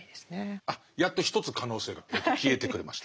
やっと１つ可能性が消えてくれました。